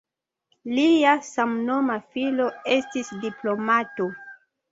Lia samnoma filo estis diplomato.